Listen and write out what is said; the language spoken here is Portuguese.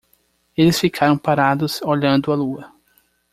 Eles ficaram parados olhando a lua.